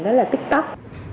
đó là tiktok